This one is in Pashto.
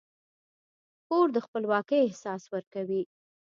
کور د خپلواکۍ احساس ورکوي.